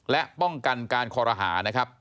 และป้องกันการคอรหานะครับ